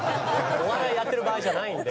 お笑いやってる場合じゃないんで。